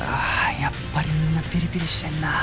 やっぱりみんなピリピリしてんな